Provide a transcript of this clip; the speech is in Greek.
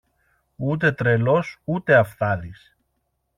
Ούτε τρελός ούτε αυθάδης.